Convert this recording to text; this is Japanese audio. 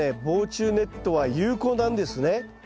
防虫ネットは有効なんですね。